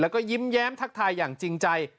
แล้วก็ยิ้มแย้มทักทายอย่างจริงใจ